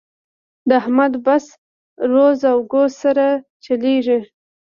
د احمد بس روز او ګوز سره چلېږي.